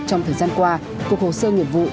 trong thời gian qua cục hồ sơ nghiệp vụ